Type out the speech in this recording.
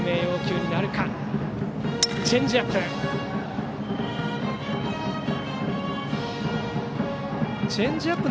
そのチェンジアップ。